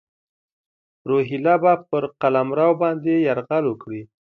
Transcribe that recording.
روهیله به پر قلمرو باندي یرغل وکړي.